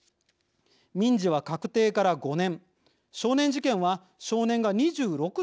民事は確定から５年少年事件は少年が２６歳になるまで。